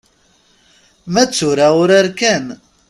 Ma d tura urar kan.